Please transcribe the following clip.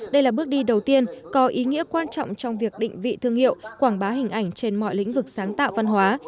đây là bước đi đầu tiên có ý nghĩa quan trọng trong việc định vị thương hiệu quảng bá hình ảnh trên mọi lĩnh vực sáng tạo văn hóa